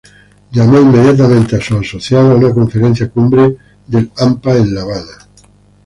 Llamó inmediatamente a sus asociados a una conferencia cumbre del Hampa en La Habana.